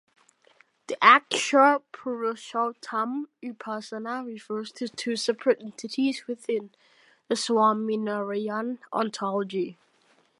The Akshar Purushottam Upasana refers to two separate entities within the Swaminarayan ontology.